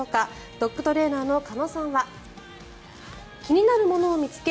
ドッグトレーナーの鹿野さんは気になるものを見つけ